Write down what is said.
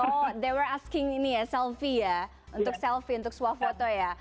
oh mereka menanyakan ini ya selfie ya untuk selfie untuk swafoto ya